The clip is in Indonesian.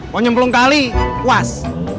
mau nyemplung kali puas